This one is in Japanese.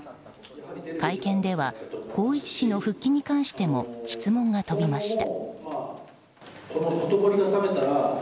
会見では宏一氏の復帰に関しても質問が飛びました。